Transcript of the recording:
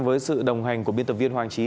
với sự đồng hành của biên tập viên hoàng trí